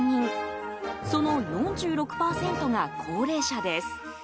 その４６％が高齢者です。